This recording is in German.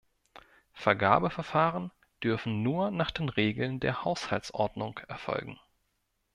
Vergabeverfahren dürfen nur nach den Regeln der Haushaltsordnung erfolgen.